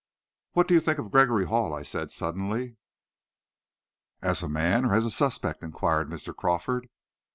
"What do you think of Gregory Hall?" I said suddenly. "As a man or as a suspect?" inquired Mr. Crawford.